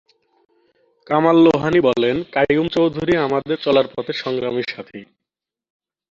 কামাল লোহানী বলেন, কাইয়ুম চৌধুরী আমাদের চলার পথে সংগ্রামী সাথী।